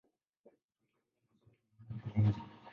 Waliamua maswali muhimu pamoja.